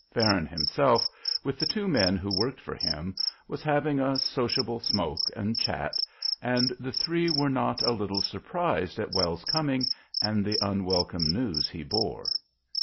Farron himself, with the two men who worked for him, was having a sociable smoke and chat, and the three were not a little surprised at Wells's coming and the unwelcome news he bore.